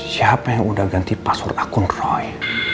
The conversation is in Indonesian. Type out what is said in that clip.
siapa yang udah ganti password akun roy